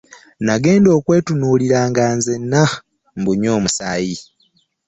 Nagenda okwetunuulira nga nzenna mbunye omusaayi.